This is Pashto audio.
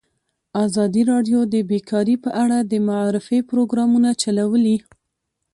ازادي راډیو د بیکاري په اړه د معارفې پروګرامونه چلولي.